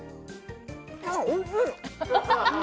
わっおいしい！